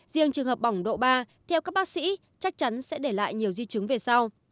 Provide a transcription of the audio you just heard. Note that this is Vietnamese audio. riêng trường hợp bỏng độ ba theo các bác sĩ chắc chắn sẽ để lại nhiều di chứng về sau